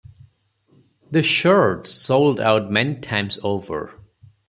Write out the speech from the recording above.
The shirts sold out many times over.